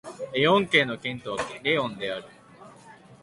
レオン県の県都はレオンである